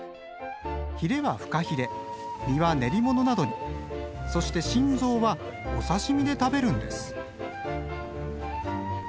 ヒレはフカヒレ身は練り物などにそして心臓はお刺身で食べるんです。